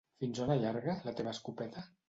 Fins on allarga, la teva escopeta?